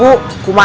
yang lebih dekat